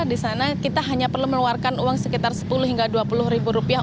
di sana kita hanya perlu meluarkan uang sekitar sepuluh hingga dua puluh ribu rupiah